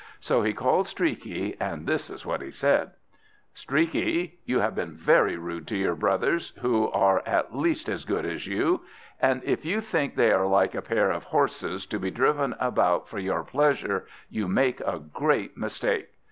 So he called Streaky, and this is what he said: "Streaky, you have been very rude to your brothers, who are at least as good as you; and if you think they are like a pair of horses, to be driven about for your pleasure, you make a great mistake.